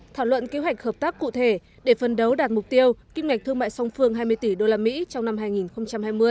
thảo luận kế hoạch hợp tác cụ thể để phân đấu đạt mục tiêu kinh ngạch thương mại song phương hai mươi tỷ usd trong năm hai nghìn hai mươi